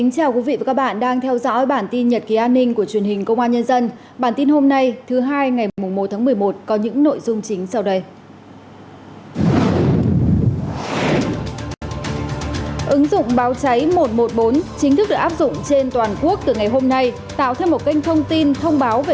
các bạn hãy đăng ký kênh để ủng hộ kênh của chúng mình nhé